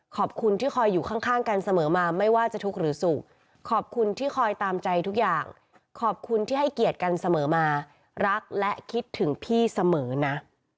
ขอบคุณที่คอยอยู่ข้างกันเสมอมาไม่ว่าจะทุกข์หรือสุขขอบคุณที่คอยตามใจทุกอย่างขอบคุณที่ให้เกียรติกันเสมอมารักและคิดถึงพี่เสมอนะ